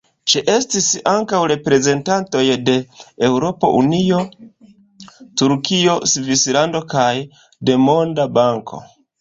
Ĉeestis ankaŭ reprezentantoj de Eŭropa Unio, Turkio, Svislando kaj de Monda Banko.